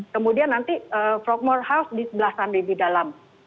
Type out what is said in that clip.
kemudian nanti frogmore house di sebelah sana di dalam